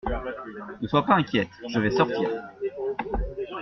Ne sois pas inquiète, je vais sortir.